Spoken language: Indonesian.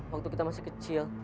waktu kita masih kecil